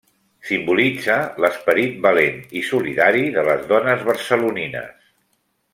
Simbolitza l'esperit valent i solidari de les dones barcelonines.